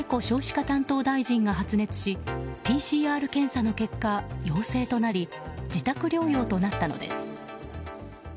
少子化担当大臣が発熱しＰＣＲ検査の結果、陽性となり自宅療養となったのです。